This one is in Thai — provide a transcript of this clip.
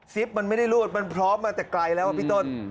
ปมันไม่ได้รูดมันพร้อมมาแต่ไกลแล้วพี่ต้น